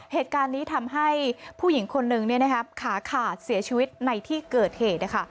เหตุการณ์นี้ทำให้ผู้หญิงคนนึงขาขาดเสียชีวิตในที่เกิดเหตุ